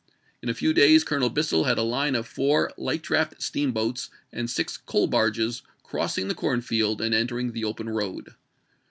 In a few days Colonel Bissell had a line of four light draft steamboats and six coal barges ^ crossing the corn field and entering the open road.